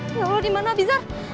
ya allah dimana abizar